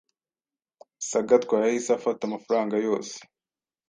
Sagatwa yahise afata amafaranga yose